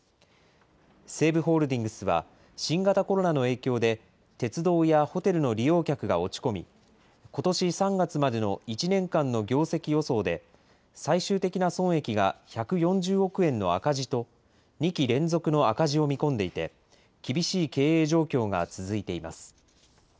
西武ホールディングスは、新型コロナの影響で鉄道やホテルの利用客が落ち込み、ことし３月までの１年間の業績予想で、最終的な損益が１４０億円の赤字と、２期連続の赤字を見込んでいて、厳しい経営状況が続いています。